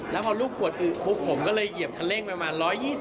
แล้วพอลูกผมก็เลยเหยียบคันเร่งประมาณ๑๒๐